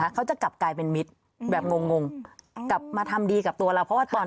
เข้าจะเป็นนายกโบตอน